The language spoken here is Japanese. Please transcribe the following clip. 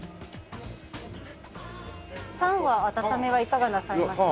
パンは温めはいかがなさいますか？